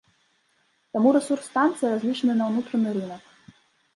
Таму рэсурс станцыі разлічаны на ўнутраны рынак.